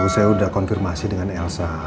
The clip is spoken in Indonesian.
saya sudah konfirmasi dengan elsa